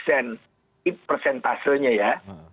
ini persentasenya ya